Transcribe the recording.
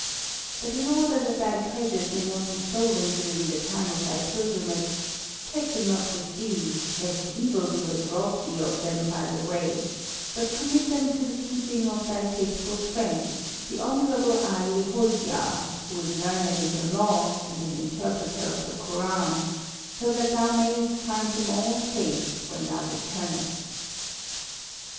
But in order that thy treasures may not be stolen during the time of thy pilgrimage, take them not with thee, lest evildoers rob thee of them by the way, but commit them to the keeping of thy faithful friend, the honourable Ali Hojia, who is learned in the law, and an interpreter of the Koran, so that thou mayest find them all safe when thou returnest."